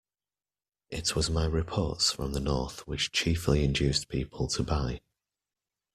It was my reports from the north which chiefly induced people to buy.